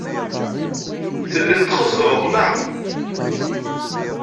Telliḍ txeẓẓreḍ, neɣ?